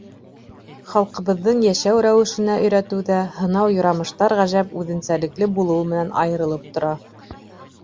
Халҡыбыҙҙың йәшәү рәүешенә өйрәтеүҙә һынау-юрамыштар ғәжәп үҙенсәлекле булыуы менән айырылып тора.